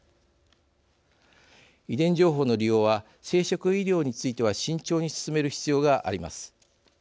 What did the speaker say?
遺伝情報の利用は生殖医療については慎重に進める必要があります。